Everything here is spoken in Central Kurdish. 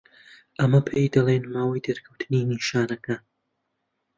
ئەمە پێی دەڵێن ماوەی دەرکەوتنی نیشانەکان.